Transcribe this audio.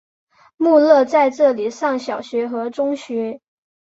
穆勒在这里上小学和中学。